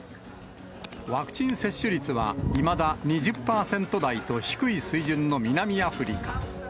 ワクチン接種率はいまだ２０％台と低い水準の南アフリカ。